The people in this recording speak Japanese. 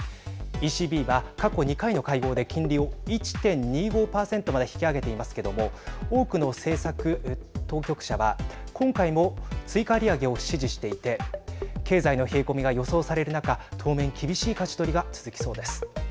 ＥＣＢは過去２回の会合で金利を１．２５％まで引き上げていますけども多くの政策当局者は今回も追加利上げを支持していて経済の冷え込みが予想される中当面、厳しいかじ取りが続きそうです。